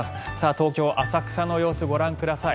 東京・浅草の様子ご覧ください。